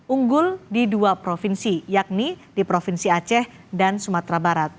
unggul di dua provinsi yakni di provinsi aceh dan sumatera barat